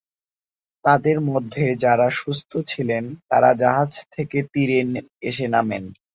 তাদের মধ্যে যারা সুস্থ ছিলেন তারা জাহাজ থেকে তীরে এসে নামেন।